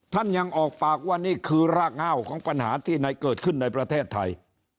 ท่านยังออกปากว่านี่คือรากเง่าของปัญหาที่ไหนเกิดขึ้นในประเทศไทย